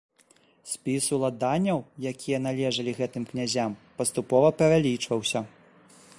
Спіс уладанняў, якія належалі гэтым князям, паступова павялічваўся.